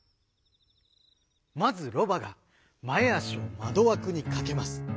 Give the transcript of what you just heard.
まずロバがまえあしをまどわくにかけます。